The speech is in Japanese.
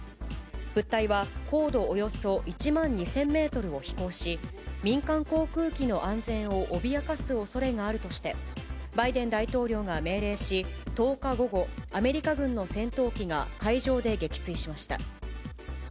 物体は、高度およそ１万２０００メートルを飛行し、民間航空機の安全を脅かすおそれがあるとして、バイデン大統領が命令し、１０日午後、アメリカ軍の戦闘機が海上で撃墜しました。